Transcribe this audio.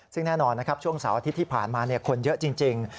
ซึ่งแน่นอนช่วงสาวอาทิตย์ที่ผ่านมาคนเยอะจริง